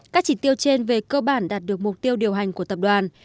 các chỉ tiêu trên về cơ bản đạt được mục tiêu điều hành của tập đoàn